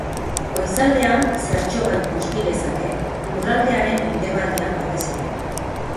Goizaldean, zertxobait busti lezake, lurraldearen mendebaldean batez ere.